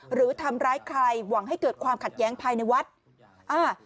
หรือทำร้ายใครหวังให้เกิดความขัดแย้งภายในวัดอ่า